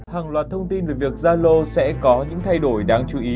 hàng loạt thông tin về việc zalo sẽ có những thay đổi đáng chú ý